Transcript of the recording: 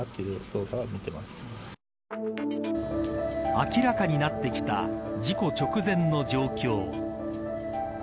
明らかになってきた事故直前の状況。